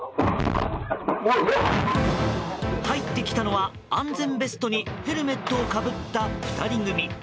入ってきたのは、安全ベストにヘルメットをかぶった２人組。